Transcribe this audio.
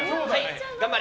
頑張れ。